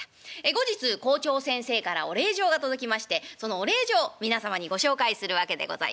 後日校長先生からお礼状が届きましてそのお礼状皆様にご紹介するわけでございます。